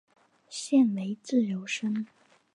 现为自由身。